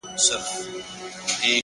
که په ژړا کي مصلحت وو، خندا څه ډول وه،